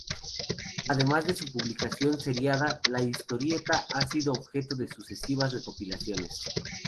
Además de su publicación seriada, la historieta ha sido objeto de sucesivas recopilaciones.